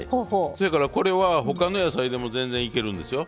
そやからこれは他の野菜でも全然いけるんですよ。